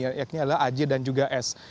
yakni adalah aj dan juga s